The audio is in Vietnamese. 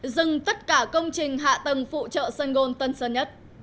dừng tất cả công trình hạ tầng phụ trợ sơn gôn tân sơn nhất